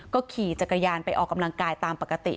ก็ขี่จักรยานไปออกกำลังกายตามปกติ